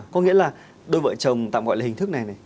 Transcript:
có nghĩa là đôi vợ chồng tạm gọi là hình thức này này